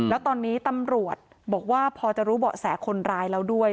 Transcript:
แล้วตอนนี้ตำรวจบอกว่าพอจะรู้เบาะแสคนร้ายแล้วด้วย